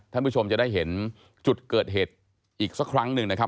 ท่านผู้ชมจะได้เห็นจุดเกิดเหตุอีกสักครั้งหนึ่งนะครับ